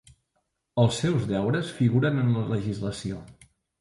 Els seus deures figuren en la legislació.